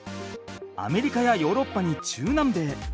アメリカやヨーロッパに中南米。